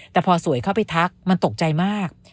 แต่พอสวยเข้าไปทักมันตกใจมาก